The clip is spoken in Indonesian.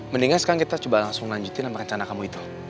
mendingan sekarang kita coba langsung lanjutin sama rencana kamu itu